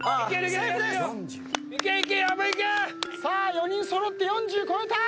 ４人揃って４０超えた！